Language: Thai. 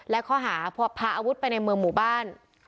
และข้อหาพาอาวุธไปในเมืองหมู่บ้าน